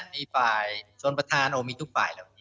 มีฝ่ายส่วนประธานโอ้มีทุกฝ่าย